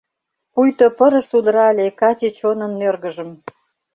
Пуйто пырыс удырале каче чонын нӧргыжым.